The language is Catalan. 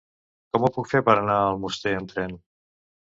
Com ho puc fer per anar a Almoster amb tren?